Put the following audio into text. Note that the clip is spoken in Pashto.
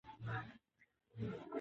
مزارشریف د افغان کلتور سره تړاو لري.